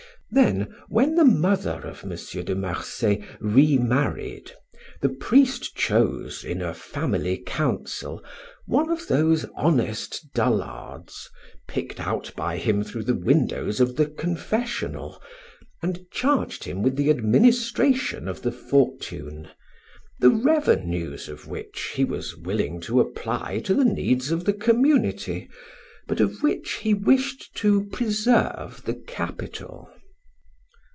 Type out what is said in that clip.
Then, when the mother of M. de Marsay remarried, the priest chose, in a family council, one of those honest dullards, picked out by him through the windows of his confessional, and charged him with the administration of the fortune, the revenues of which he was willing to apply to the needs of the community, but of which he wished to preserve the capital.